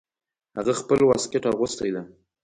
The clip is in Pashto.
هغه خپل واسکټ اغوستی ده